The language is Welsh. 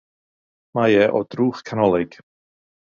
Mae e' o drwch canolig.